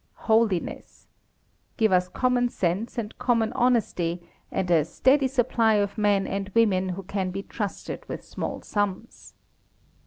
Holiness! Give us common sense, and common honesty, and a "steady supply of men and women who can be trusted with small sums."